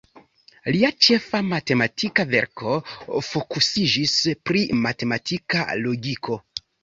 Lia ĉefa matematika verko fokusiĝis pri matematika logiko.